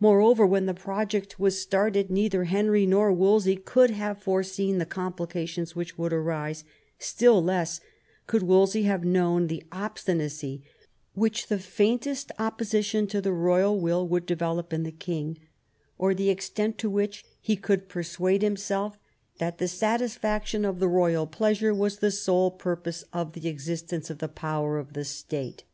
Moreover, when the project was started neither Henry nor Wolsey could have foreseen the complications which would arise; still less could Wolsey have known the obstinacy which the faintest opposition to the royal will would develop in the king, or the extent to which he could persuade himself that the satisfaction of the royal pleasure was the sole purpose of the existence of the power of the State.